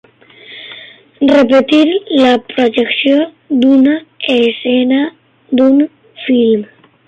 Repetir la projecció d'una escena d'un film.